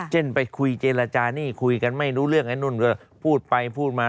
เช่นไปคุยเจรจานี่คุยกันไม่รู้เรื่องไอ้นู่นก็พูดไปพูดมา